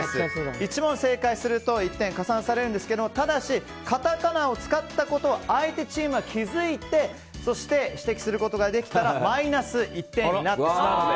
１問正解すると１点加算されるんですがただしカタカナを使ったことを相手チームが気づいて指摘することができたらマイナス１点になってしまうので。